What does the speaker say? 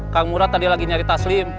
kang murad tadi lagi nyari taslim